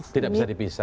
pak stakuf ini